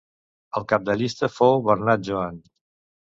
El cap de llista fou Bernat Joan.